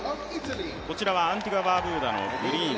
こちらはアンティグア・バーブーダのグリーン。